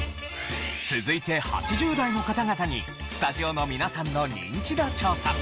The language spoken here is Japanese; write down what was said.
続いて８０代の方々にスタジオの皆さんのニンチド調査。